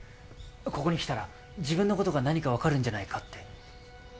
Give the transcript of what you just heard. ここに来たら自分のことが何か分かるんじゃないかって